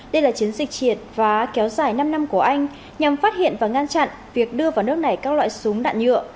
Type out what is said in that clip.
đây là chiến dịch triệt phá kéo dài năm năm của anh nhằm phát hiện và ngăn chặn việc đưa vào nước này các loại súng đạn nhựa